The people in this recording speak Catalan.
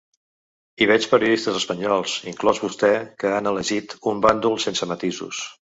I veig periodistes espanyols, inclòs vostè, que han elegit un bàndol sense matisos.